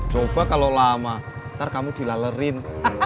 coba kalau lama ntar kamu dilalerin